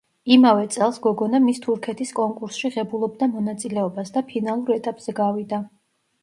იმავე წელს გოგონა „მის თურქეთის“ კონკურსში ღებულობდა მონაწილეობას და ფინალურ ეტაპზე გავიდა.